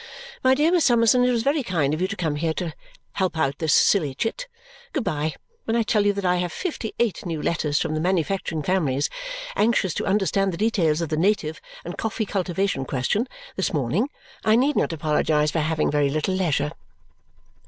My dear Miss Summerson, it was very kind of you to come here to help out this silly chit. Good bye! When I tell you that I have fifty eight new letters from manufacturing families anxious to understand the details of the native and coffee cultivation question this morning, I need not apologize for having very little leisure."